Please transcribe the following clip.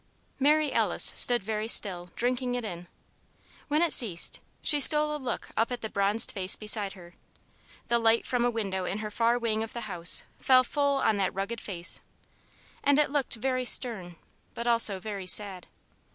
Mary Alice stood very still, drinking it in. When it ceased, she stole a look up at the bronzed face beside her; the light from a window in her far wing of the house fell full on that rugged face, and it looked very stern but also very sad.